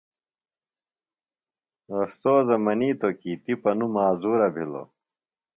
اوستوذہ منیتوۡ کی تِپہ نوۡ معذورہ بِھلوۡ۔